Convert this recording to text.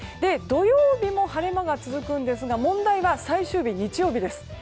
土曜日も晴れ間が続くんですが問題は最終日の日曜日です。